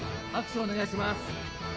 握手お願いします。